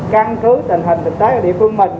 căn cứ tình hình thực tế ở địa phương mình